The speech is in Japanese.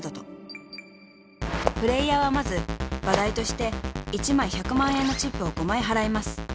［プレーヤーはまず場代として１枚１００万円のチップを５枚払います］